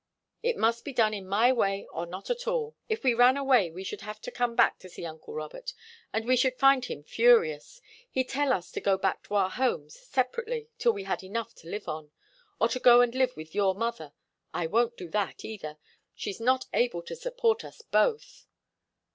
It must be done in my way, or not at all. If we ran away we should have to come back to see uncle Robert, and we should find him furious. He'd tell us to go back to our homes, separately, till we had enough to live on or to go and live with your mother. I won't do that either. She's not able to support us both."